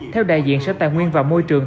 theo đại diện sở tài nguyên và môi trường